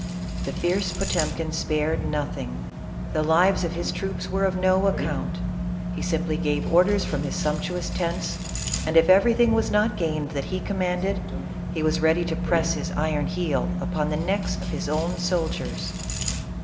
The fierce Potemkin spared nothing. The lives of his troops were of no account. He simply gave orders from his sump tuous tents, and if everything was not gained that he commanded, he was ready to press his iron heel upon the necks of his own soldiers.